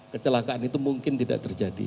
kecelakaan itu mungkin tidak terjadi